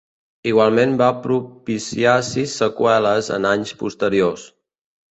Igualment va propiciar sis seqüeles en anys posteriors.